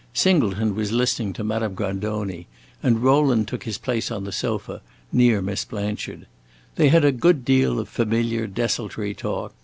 Singleton was listening to Madame Grandoni, and Rowland took his place on the sofa, near Miss Blanchard. They had a good deal of familiar, desultory talk.